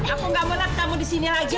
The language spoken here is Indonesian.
kamu nggak mau datang ke sini lagi